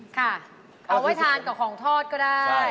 ค่ะเอาไว้ทานกับของทอดก็ได้